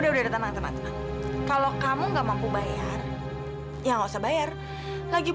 dan kita sudah tidak ada hubungan lagi